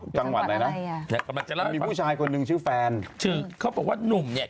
จังหวัดไหนนะกำลังจะเริ่มมีผู้ชายคนหนึ่งชื่อแฟนชื่อเขาบอกว่านุ่มเนี่ย